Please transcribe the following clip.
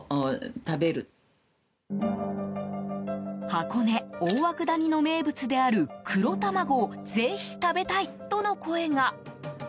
箱根大涌谷の名物である黒たまごをぜひ食べたいとの声が。